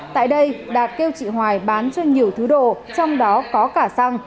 tại đây đạt kêu chị hoài bán cho nhiều thứ đồ trong đó có cả xăng